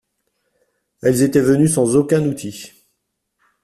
Elles étaient venues sans aucun outil.